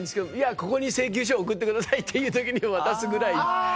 「ここに請求書送ってください」っていう時に渡すぐらい。